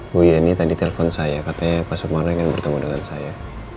bu yeni tadi telpon saya katanya pak sukmana ingin bertemu dengan saya